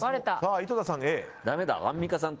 井戸田さん、Ａ？